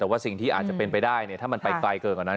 แต่ว่าสิ่งที่อาจจะเป็นไปได้เนี่ยถ้ามันไปไกลเกินกว่านั้น